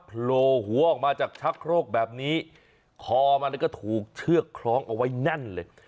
โผล่หัวออกมาจากชักโครกแบบนี้คอมันก็ถูกเชือกคล้องเอาไว้แน่นเลย